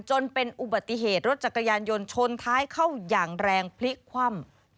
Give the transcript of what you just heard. จนเป็นอุบัติเหตุรถจักรยานยนต์ชนท้ายเข้าอย่างแรงพลิกคว่ำ